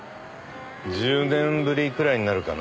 １０年ぶりくらいになるかな。